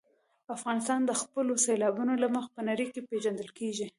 افغانستان د خپلو سیلابونو له مخې په نړۍ کې پېژندل کېږي.